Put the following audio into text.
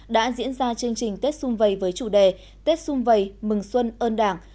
đã diễn ra chương trình tết xuân vầy với chủ đề tết xuân vầy mừng xuân ơn đảng